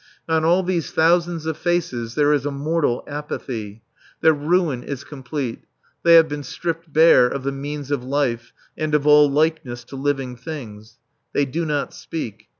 On all these thousands of faces there is a mortal apathy. Their ruin is complete. They have been stripped bare of the means of life and of all likeness to living things. They do not speak.